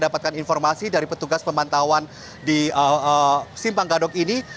dan informasi dari petugas pemantauan di simpang gadok ini